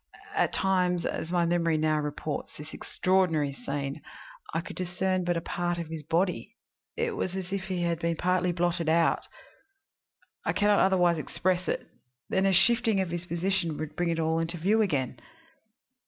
At times, as my memory now reports this extraordinary scene, I could discern but a part of his body; it was as if he had been partly blotted out I can not otherwise express it then a shifting of his position would bring it all into view again.